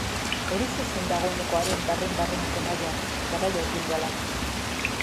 Horixe zen dagoeneko haren barren-barreneko nahia, garaia hurbildu ahala.